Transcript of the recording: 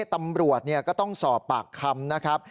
ตำรวจก็ต้องสอบปากคำนะครับ